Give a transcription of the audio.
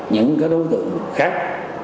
những cái đối tượng khác